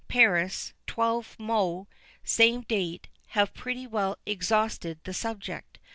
Paris, 12mo, same date, have pretty well exhausted the subject.